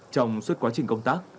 trong suốt quá trình công tác